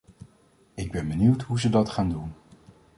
Ik ben benieuwd hoe ze dat gaan doen.